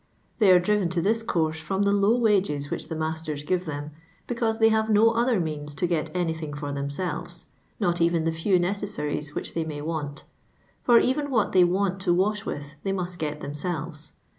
They are driven to this comN from the low wages which the masters give xhm,' becau!k> they have no other means to get anythui| for themselves, not even the few necessaries which they may want: for even what they want to mJk with they must get themselves.